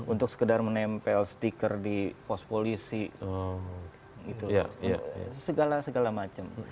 untuk sekedar menempel stiker di pos polisi segala segala macam